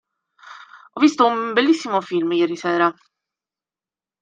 Ho visto un bellissimo film ieri sera.